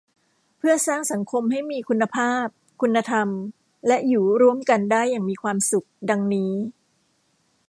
เพื่อสร้างสังคมให้มีคุณภาพ คุณธรรม และอยู่ร่วมกันได้อย่างมีความสุข ดังนี้